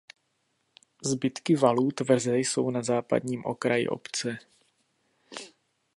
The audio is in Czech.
Zbytky valů tvrze jsou na západním okraji obce.